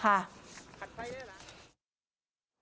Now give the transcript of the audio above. ขัดไฟด้วยล่ะ